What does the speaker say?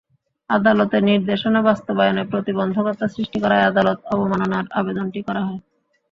আদালতের নির্দেশনা বাস্তবায়নে প্রতিবন্ধকতা সৃষ্টি করায় আদালত অবমাননার আবেদনটি করা হয়।